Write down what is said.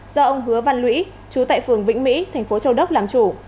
do ông hứa văn lũy chú tại phường vĩnh mỹ thành phố châu đốc làm chủ